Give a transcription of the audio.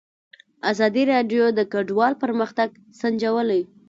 ازادي راډیو د کډوال پرمختګ سنجولی.